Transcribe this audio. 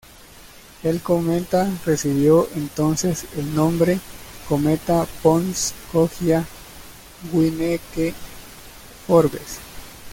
El cometa recibió entonces el nombre "Cometa Pons-Coggia-Winnecke-Forbes".